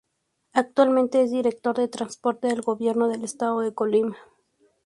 Actualmente es Director de Transporte del Gobierno del estado de Colima.